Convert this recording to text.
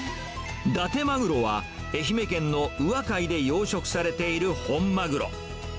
だてまぐろは、愛媛県の宇和海で養殖されている本マグロ。